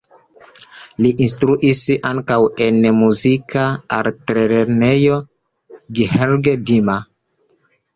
Li instruis ankaŭ en la Muzika Altlernejo Gheorghe Dima.